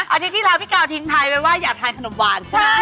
อาทิตย์ที่แล้วพี่กาวทิ้งท้ายไว้ว่าอยากทานขนมหวาน